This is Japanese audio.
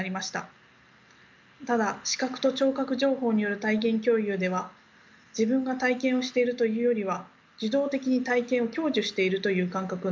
ただ視覚と聴覚情報による体験共有では自分が体験をしているというよりは受動的に体験を享受しているという感覚になります。